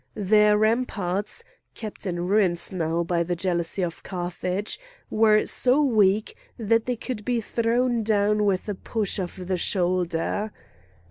Their ramparts, kept in ruins now by the jealousy of Carthage, were so weak that they could be thrown down with a push of the shoulder.